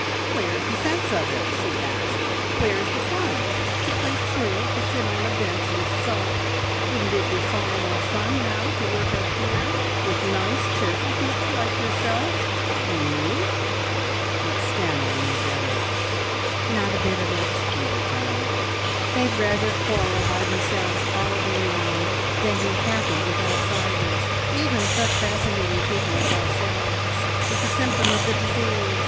"Where's the sense of it?" she asked. "Where's the fun? To play truant to sit on a bench and sulk! Wouldn't it be far more fun, now, to work up here with nice cheerful people like yourself and me?" But Stanor knew better. "Not a bit of it," he returned. "They'd rather quarrel by themselves all day long than be happy with outsiders, even such fascinating people as ourselves. It's a symptom of the disease.